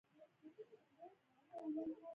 دته خېل په ميرانشاه کې يو کلی وو.